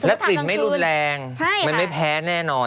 กลิ่นไม่รุนแรงมันไม่แพ้แน่นอน